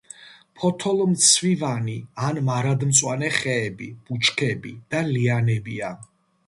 ფოთოლმცვივანი ან მარადმწვანე ხეები, ბუჩქები და ლიანებია.